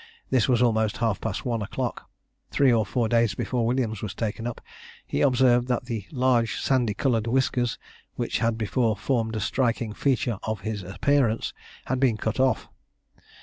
This was almost half past one o'clock. Three or four days before Williams was taken up, he observed that the large sandy coloured whiskers, which had before formed a striking feature in his appearance, had been cut off.